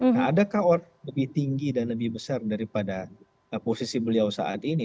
nah adakah orang lebih tinggi dan lebih besar daripada posisi beliau saat ini